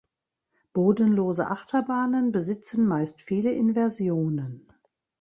Bodenlose Achterbahnen besitzen meist viele Inversionen.